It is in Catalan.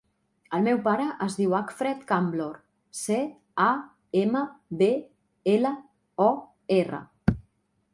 El meu pare es diu Acfred Camblor: ce, a, ema, be, ela, o, erra.